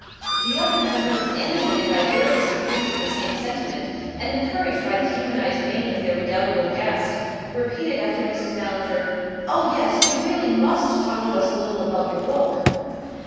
'" The other members, animated by various degrees of the same sentiment, and encouraged by the humanised mien of their redoubtable guest, repeated after Mrs. Ballinger: "Oh, yes, you really must talk to us a little about your book."